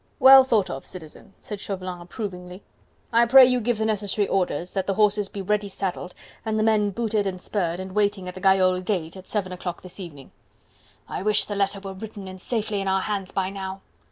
"Well thought of, Citizen," said Chauvelin approvingly. "I pray you give the necessary orders, that the horses be ready saddled, and the men booted and spurred, and waiting at the Gayole gate, at seven o'clock this evening." "I wish the letter were written and safely in our hands by now."